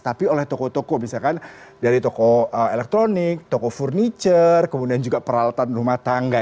tapi oleh toko toko misalkan dari toko elektronik toko furniture kemudian juga peralatan rumah tangga